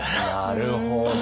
なるほど。